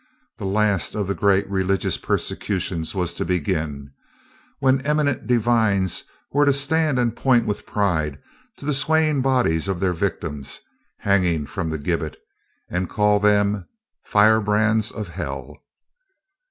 The last of the great religious persecutions was to begin, when eminent divines were to stand and point with pride to the swaying bodies of their victims, hanging from the gibbet, and call them "fire brands of hell."